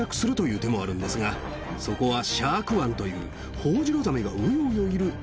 そこはシャーク湾という。